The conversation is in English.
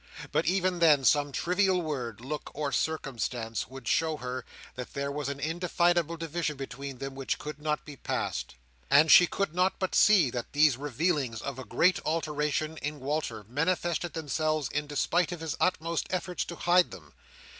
But, even then, some trivial word, look, or circumstance would show her that there was an indefinable division between them which could not be passed. And she could not but see that these revealings of a great alteration in Walter manifested themselves in despite of his utmost efforts to hide them.